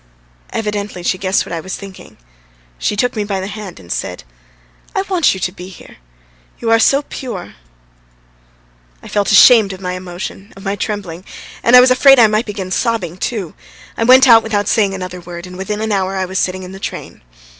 Evidently she guessed what I was thinking; she took me by the hand and said: "I want you to be here, you are so pure." I felt ashamed of my emotion, of my trembling. And I was afraid I might begin sobbing, too! I went out without saying another word, and within an hour I was sitting in the train.